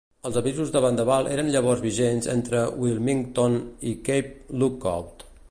Els avisos de vendaval eren llavors vigents entre Wilmington i Cape Lookout.